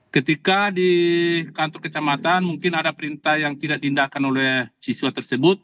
ketika di kantor kecamatan mungkin ada perintah yang tidak dindakkan oleh siswa tersebut